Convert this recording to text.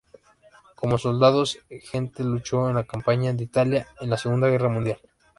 Como soldado, Gentle luchó en la Campaña de Italia en la Segunda Guerra Mundial.